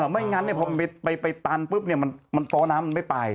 ไม่งั้นพอไปตันปุ๊บเนี่ยมันฟ้อน้ำมันไม่ไป